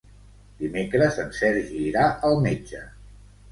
Dimecres en Sergi irà al metge.